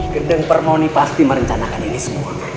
gedeng permoni pasti merencanakan ini semua